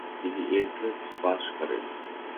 তিনি entrance pass করেন।